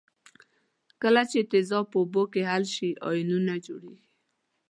کله چې تیزاب په اوبو کې حل شي آیونونه جوړیږي.